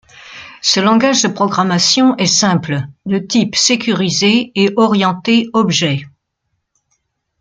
Ce langage de programmation est simple, de type sécurisé et orienté objet.